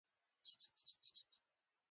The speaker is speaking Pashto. بیشکه د نامي زامن دیته وایي